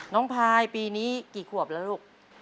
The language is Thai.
พายปีนี้กี่ขวบแล้วลูก